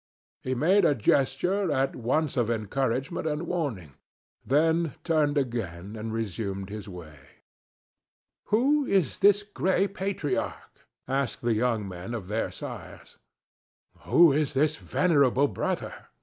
He made a gesture at once of encouragement and warning, then turned again and resumed his way. "Who is this gray patriarch?" asked the young men of their sires. "Who is this venerable brother?"